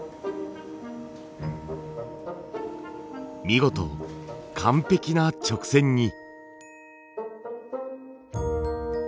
見事完璧な直線に。